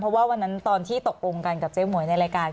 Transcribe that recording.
เพราะว่าวันนั้นตอนที่ตกลงกันกับเจ๊หมวยในรายการ